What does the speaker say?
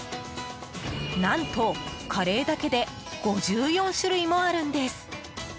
何と、カレーだけで５４種類もあるんです。